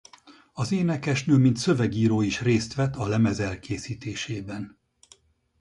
Az énekesnő mint szövegíró is részt vett a lemez elkészítésében.